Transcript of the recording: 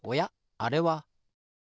あれは。